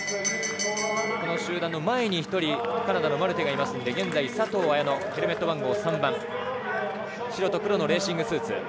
この集団の前に１人カナダのマルテがいますので現在、佐藤綾乃ヘルメット番号３番白と黒のレーシングスーツ。